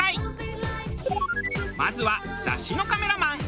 まずは雑誌のカメラマン。